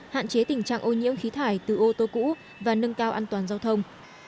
hạn chế tình trạng ô nhiễm khí thải từ ô tô cũ và nâng cao an toàn giao thông